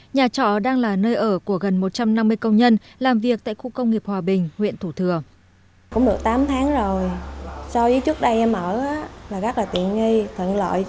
nhà trọ đang là nơi ở của gần một trăm năm mươi công nhân làm việc tại khu công nghiệp hòa bình huyện thủ thừa